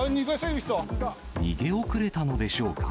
逃げ遅れたのでしょうか。